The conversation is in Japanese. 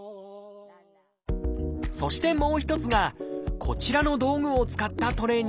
そしてもう一つがこちらの道具を使ったトレーニング。